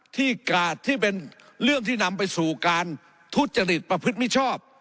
ที่เป็นเรื่องที่นำไปสู่การทุจริตประพฤติมิชชอบ